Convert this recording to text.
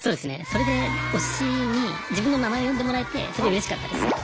それで推しに自分の名前呼んでもらえてすごいうれしかったですね。